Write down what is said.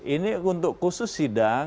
ini untuk khusus sida